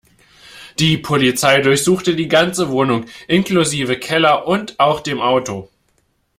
Die Polizei durchsuchte die ganze Wohnung inklusive Keller und auch dem Auto.